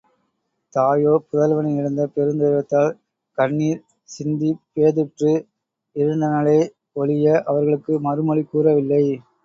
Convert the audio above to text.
தாயோ புதல்வனை இழந்த பெருந்துயரத்தால், கண்ணிர் சிந்திப் பேதுற்று இருந்தனளே ஒழிய, அவர்களுக்கு மறுமொழி கூறவில்லை.